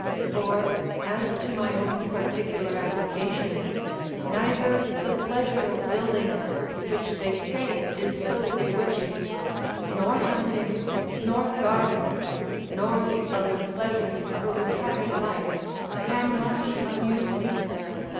For, as to my own particular application, neither the pleasure of building, which they say is so bewitching, nor hunting, nor gardens, nor the other pleasures of a retired life, can much amuse me.